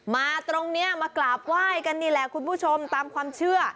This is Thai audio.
มาตรงนี้มากราบไหว้กันนี่แหละคุณผู้ชมตามความเชื่อ